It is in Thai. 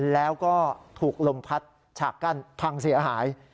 แล้วก็ถูกลมพัดฉากกั้นพังเสียหาย